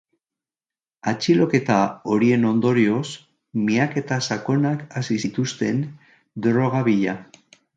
Atxiloketa horien ondorioz, miaketa sakonak hasi zituzten, droga bila.